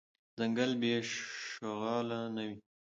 ځنګل بی شغاله نه وي .